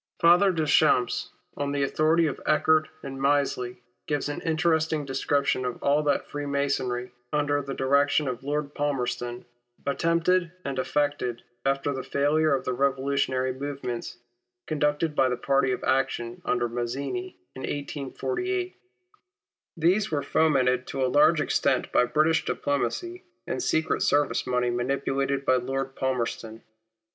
Father Deschamps, on the authority of Eckert and Mislay, gives an interesting description of all that Freemasonry, under the direction of Lord Palmerston, attempted and effected after the failure of the revolutionary movements, conducted by the party of action, under Mazzini, in 1848. These were fomented to a large extent by British diplomacy and secret service money manipulated by Lord Palmerston.